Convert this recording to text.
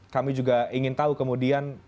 kami juga ingin tahu kemudian